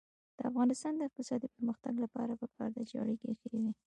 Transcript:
د افغانستان د اقتصادي پرمختګ لپاره پکار ده چې اړیکې ښې وي.